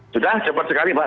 sudah cepat sekali pak